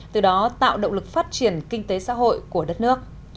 từ đó tạo động lực phát triển kinh tế xã hội của đất nước